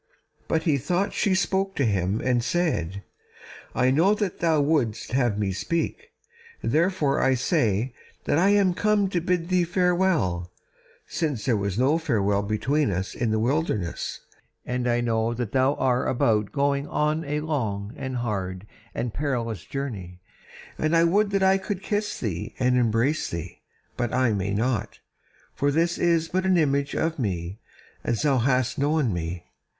But he thought she spake to him and said: "I know that thou wouldst have me speak, therefore I say that I am come to bid thee farewell, since there was no farewell between us in the wilderness, and I know that thou are about going on a long and hard and perilous journey: and I would that I could kiss thee and embrace thee, but I may not, for this is but the image of me as thou hast known me.